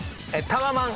「タワマン」！